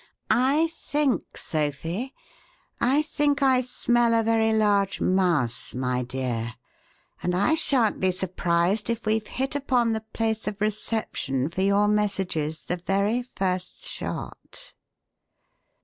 I think, Sophie, I think I smell a very large mouse, my dear, and I shan't be surprised if we've hit upon the place of reception for your messages the very first shot."